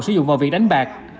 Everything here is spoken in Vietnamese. sử dụng vào việc đánh bạc